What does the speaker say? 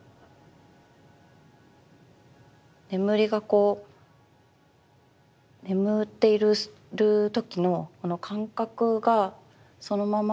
眠りがこう眠っている時のこの感覚がそのまま